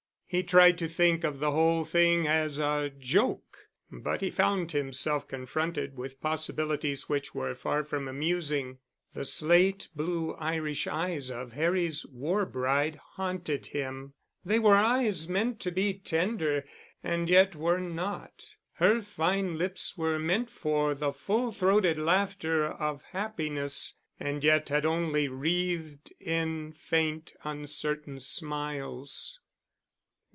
He tried to think of the whole thing as a joke, but he found himself confronted with possibilities which were far from amusing. The slate blue Irish eyes of Harry's war bride haunted him. They were eyes meant to be tender and yet were not. Her fine lips were meant for the full throated laughter of happiness, and yet had only wreathed in faint uncertain smiles.